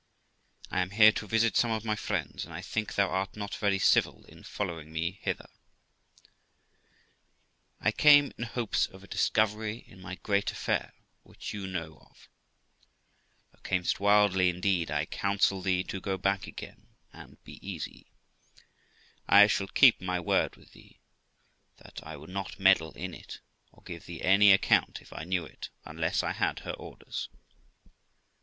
Qu. I am here to visit some of my friends, and I think thou art not very civil in following me hither. 384 THE LIFE OF ROXANA Girl. I came in hopes of a discovery in my great affair which you know of. Qu. Thou cam'st wildly, indeed; I counsel thee to go back again, and be easy ; I shall keep my word with thee, that I would not meddle in it, or give thee any account, if I knew it, unless I had her orders.